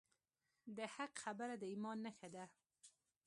د حق خبره د ایمان نښه ده.